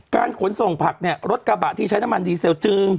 ขนส่งผักเนี่ยรถกระบะที่ใช้น้ำมันดีเซลจึง